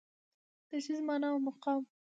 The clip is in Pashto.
د ښځې مانا او مقام